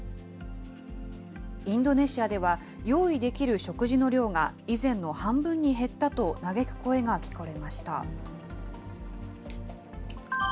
インドネシアでは、用意できる食事の量が、以前の半分に減ったと嘆く声が聞かれました。